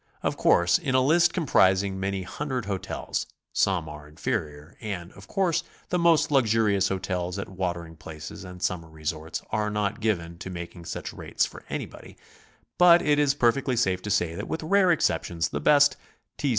Of course in a list comprising many hundred hotels, some are inferior, and, of course, the most luxurious hotels at watering places and summer resorts are not given to making such rates for anybody, but it is perfectly safe to say that with rare exceptions the best T.